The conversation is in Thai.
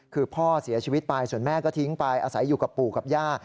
เขาให้เคาะป๊อก